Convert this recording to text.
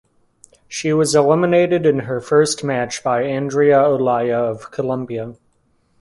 She was eliminated in her first match by Andrea Olaya of Colombia.